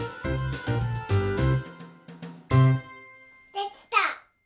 できた！